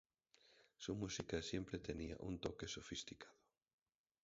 Su música siempre tenía un toque sofisticado.